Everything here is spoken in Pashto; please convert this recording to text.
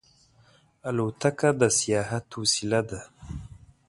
الوتکه د سیاحت وسیله ده.